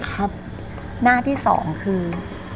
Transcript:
หน้าที่๒คือ